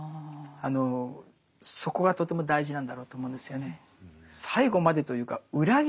そこがとても大事なんだろうと思うんですよね。